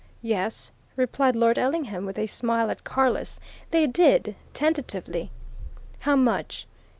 "Yes," replied Lord Ellingham, with a smile at Carless. "They did tentatively." "How much?"